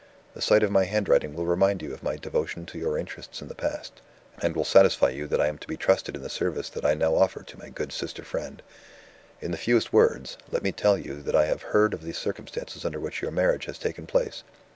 The sight of my handwriting will remind you of my devotion to your interests in the past, and will satisfy you that I am to be trusted in the service that I now offer to my good sister friend. In the fewest words, let me tell you that I have heard of the circumstances under which your marriage has taken place.